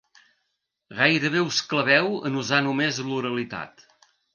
Gairebé us claveu en usar només l'oralitat.